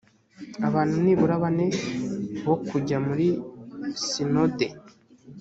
abantu nibura bane bo kujya muri sinode